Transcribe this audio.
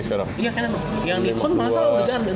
iya canon yang nikon masalah udah kan